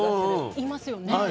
言いますよね。